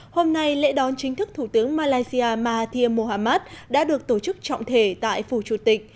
hôm nay lễ đón chính thức thủ tướng malaysia mahathir mohamad đã được tổ chức trọng thể tại phủ chủ tịch